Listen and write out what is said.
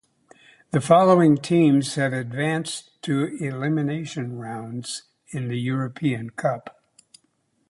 The following teams have advanced to elimination rounds in the European Cup.